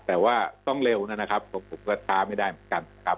แต่ว่าต้องเร็วนะครับผมก็ช้าไม่ได้เหมือนกันครับ